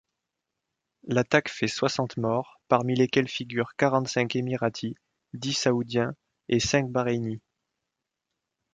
L’attaque fait soixante morts, parmi lesquels figurent quarante-cinq Emiratis, dix Saoudiens et cinq Bahreïnis.